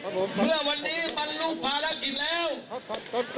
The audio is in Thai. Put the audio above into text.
เมื่อวันนี้มันลุกภารกิจแล้ว